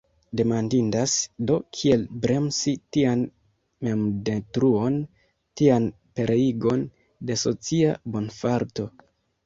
Demandindas, do, kiel bremsi tian memdetruon, tian pereigon de socia bonfarto.